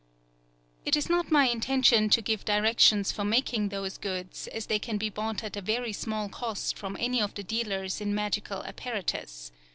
It is not my intention to give directions for making those goods, as they can be bought at a very small cost from any of the dealers in magical apparatus.